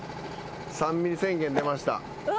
３ミリ宣言出ました。